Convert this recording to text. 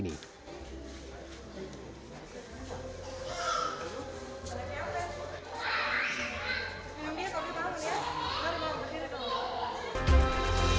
inilah lagu lama yang masih mengalun hingga kini